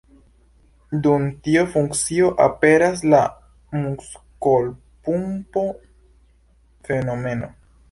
Dum tiu funkcio aperas la „muskolpumpo”-fenomeno.